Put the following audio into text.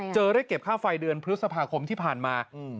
เรียกเก็บค่าไฟเดือนพฤษภาคมที่ผ่านมา